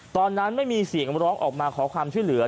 ตอนนั้นไม่มีเสียงร้องออกมาขอความช่วยเหลือ